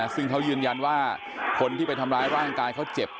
ซึ่งเขายืนยันว่าคนที่ไปทำร้ายร่างกายเขาเจ็บ